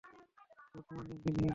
Good morning, green hills!